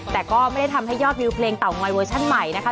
แต่ก็ไม่ได้ทำให้ยอดวิวเพลงเต่างอยเวอร์ชั่นใหม่นะคะ